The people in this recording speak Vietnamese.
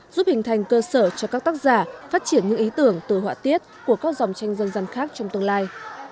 giúp hình thành cơ sở cho các tác giả phát triển những ý tưởng từ họa tiết của các dòng tranh dân dân khác trong tương lai